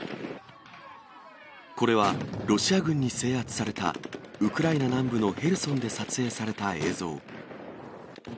これは、ロシア軍に制圧された、ウクライナ南部のヘルソンで撮影された映像。